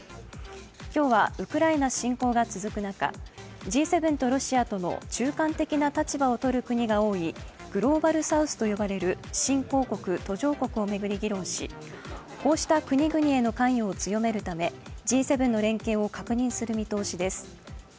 今日はウクライナ侵攻が続く中、Ｇ７とロシアとの中間的な立場を取る国が多いグローバルサウスと呼ばれる新興国・途上国を巡り議論しこうした国々への関与を強めるためＧ７の連携を確認する見通しです。